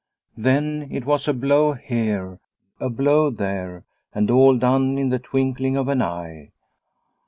Then it was a blow here, a blow there, and all done in the twinkling of an eye.